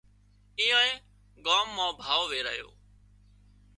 ايئانئي ڳام مان ڀاوَ ويرايو